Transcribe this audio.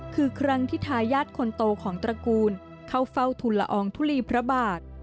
คือครั้งที่ทายาทคนโตของตระกูลเข้าเฝ้าทุนละอองทุลีพระบาท